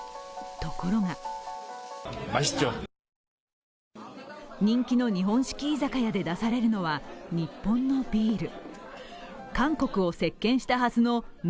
ところが人気の日本式居酒屋で出されるのは日本のビール。